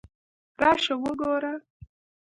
راشه وګوره!